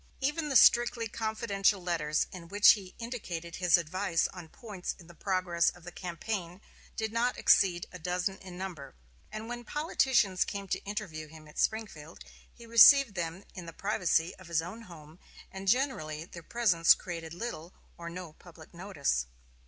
Even the strictly confidential letters in which he indicated his advice on points in the progress of the campaign did not exceed a dozen in number; and when politicians came to interview him at Springfield, he received them in the privacy of his own home, and generally their presence created little or no public notice.